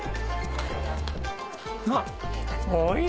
あっ！